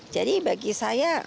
jadi bagi saya